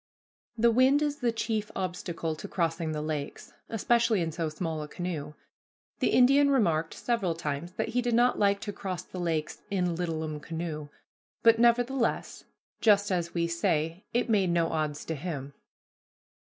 The wind is the chief obstacle to crossing the lakes, especially in so small a canoe. The Indian remarked several times that he did not like to cross the lakes "in littlum canoe," but nevertheless, "just as we say, it made no odds to him."